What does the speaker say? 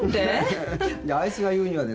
あいつが言うにはですね。